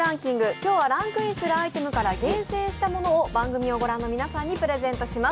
今日はランクインするアイテムから厳選したものを番組を御覧の皆さんにプレゼントします。